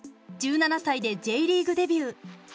１７歳でＪリーグデビュー。